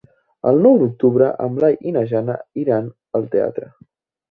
El nou d'octubre en Blai i na Jana iran al teatre.